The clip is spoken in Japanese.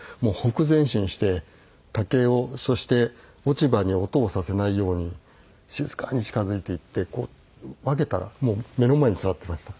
匍匐前進して竹をそして落ち葉に音をさせないように静かに近づいていってこう分けたらもう目の前に座っていました。